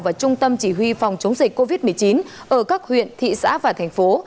và trung tâm chỉ huy phòng chống dịch covid một mươi chín ở các huyện thị xã và thành phố